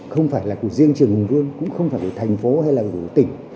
không phải là của riêng trường hùng vương cũng không phải của thành phố hay là của tỉnh